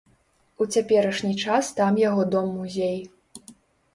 У цяперашні час там яго дом-музей.